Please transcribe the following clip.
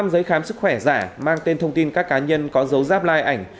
năm giấy khám sức khỏe giả mang tên thông tin các cá nhân có dấu ráp lai ảnh